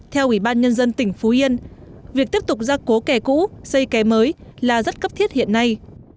theo ủy ban nhân dân tỉnh phú yên việc tiếp tục ra cố kè cũ xây kè mới là rất cấp thiết hiện nay